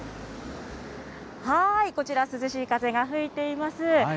こちら、涼しい風が吹いています。